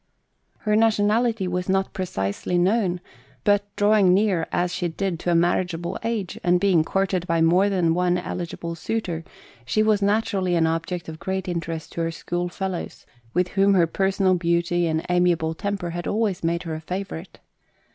Her nationality was not precisely known; but drawing near, as she did, to a marriageable age, and being courted by more than one eligible suitor, she was naturally an object of great interest to her schoolfellows, with whom her personal beauty and amiable temper had always made her a favourite.